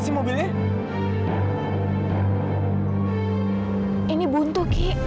dia bisa berhenti